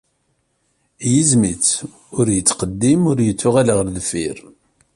Igzem-itt ur yettqeddim, ur yettuɣal ɣer deffir.